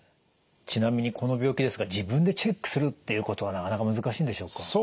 ちなみにこの病気ですが自分でチェックするっていうことはなかなか難しいんでしょうか？